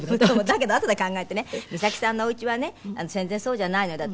だけどあとで考えてね三崎さんのおうちはね全然そうじゃないのよ。